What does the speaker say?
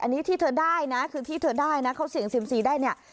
อันนี้ที่เธอได้นะคือที่เธอได้นะเขาเสี่ยงเซียมซีได้เนี่ย